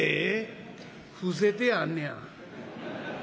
「伏せてあんのや」。